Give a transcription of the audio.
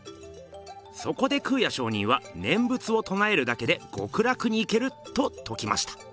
そこで空也上人は「念仏をとなえるだけで極楽に行ける！」とときました。